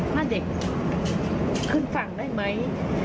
ถ้าเด็กขึ้นฝั่งได้ไหม